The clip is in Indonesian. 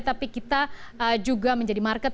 tapi kita juga menjadi market